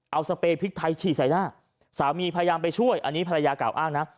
เอาสเปรพริกไทยฉี่ใส่หน้าสามีพยายามไปช่วยอันนี้ภรรยากล่าวอ้างนะ